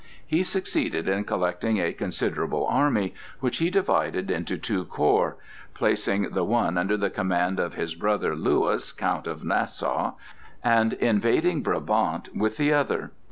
He succeeded in collecting a considerable army, which he divided into two corps, placing the one under the command of his brother Lewis, Count of Nassau, and invading Brabant with the other.